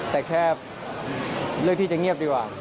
แต่แค่เลือกที่จะเงียบดีกว่า